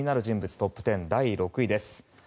トップ１０第６位です。